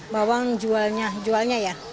bawang jualnya ya